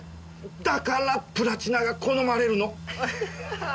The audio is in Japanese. だからプラチナが好まれるの！